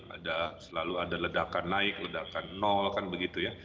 ada selalu ada ledakan naik ledakan nol kan begitu ya